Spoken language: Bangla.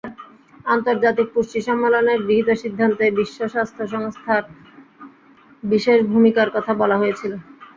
আন্তর্জাতিক পুষ্টি সম্মেলনের গৃহীত সিদ্ধান্তে বিশ্ব স্বাস্থ্য সংস্থার বিশেষ ভূমিকার কথা বলা হয়েছিল।